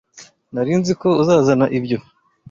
Nari nzi ko uzazana ibyo